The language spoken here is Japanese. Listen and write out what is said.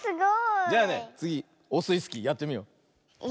じゃあねつぎオスイスキーやってみよう。